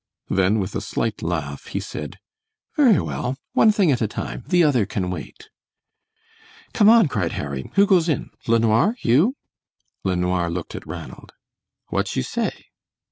Then, with a slight laugh, he said, "Very well, one thing at a time, the other can wait." "Come on!" cried Harry, "who goes in? LeNoir, you?" LeNoir looked at Ranald. "What you say?"